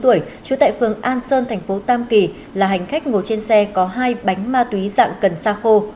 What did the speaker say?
tổ công tác đã phát hiện trong ba lô của an sơn thành phố tam kỳ là hành khách ngồi trên xe có hai bánh ma túy dạng cần sa khô